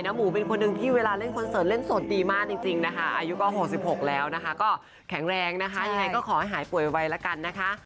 หมูเป็นคนหนึ่งที่เวลาเล่นคอนเสิร์ตเล่นโสดดีมากจริงนะคะอายุก็๖๖แล้วนะคะก็แข็งแรงนะคะยังไงก็ขอให้หายป่วยไวละกันนะคะ